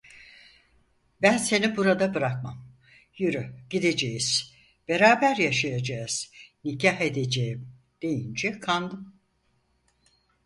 Ben seni burada bırakmam, yürü gideceğiz, beraber yaşayacağız. Nikah edeceğim! deyince kandım.